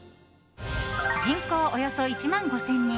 人口およそ１万５０００人。